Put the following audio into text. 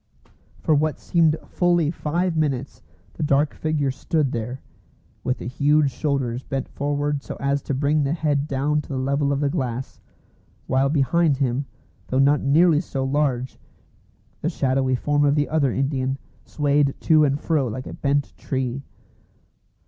For what seemed fully five minutes the dark figure stood there, with the huge shoulders bent forward so as to bring the head down to the level of the glass; while behind him, though not nearly so large, the shadowy form of the other Indian swayed to and fro like a bent tree.